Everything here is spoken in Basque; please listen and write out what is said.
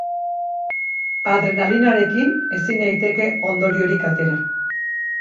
Adrenalinarekin ezin daiteke ondoriorik atera.